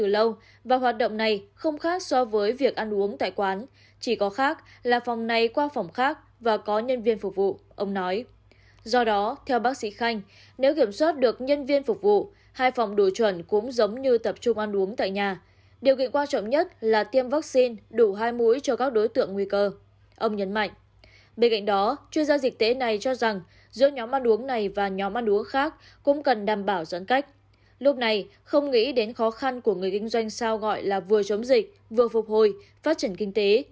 lúc này không nghĩ đến khó khăn của người kinh doanh sao gọi là vừa chống dịch vừa phục hồi phát triển kinh tế